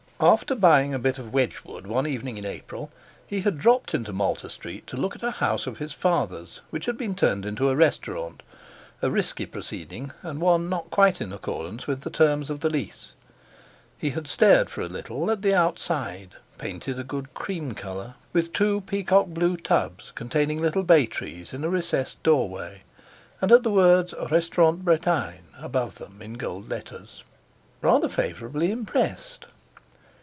After buying a bit of Wedgwood one evening in April, he had dropped into Malta Street to look at a house of his father's which had been turned into a restaurant—a risky proceeding, and one not quite in accordance with the terms of the lease. He had stared for a little at the outside painted a good cream colour, with two peacock blue tubs containing little bay trees in a recessed doorway—and at the words "Restaurant Bretagne" above them in gold letters, rather favourably impressed.